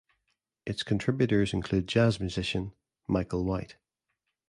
Its contributors include jazz musician Michael White.